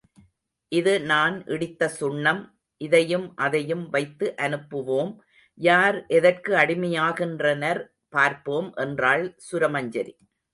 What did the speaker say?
இது நான் இடித்த சுண்ணம் இதையும் அதையும் வைத்து அனுப்புவோம் யார் எதற்கு அடிமையாகின்றனர் பார்ப்போம் என்றாள் சுரமஞ்சரி.